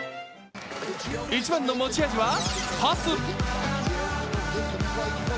一番の持ち味はパス。